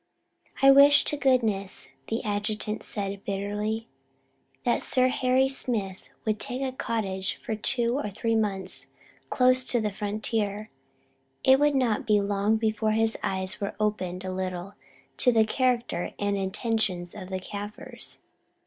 "I wish to goodness," the adjutant said, bitterly, "that Sir Harry Smith would take a cottage for two or three months close to the frontier; it would not be long before his eyes were opened a little as to the character and intentions of the Kaffirs."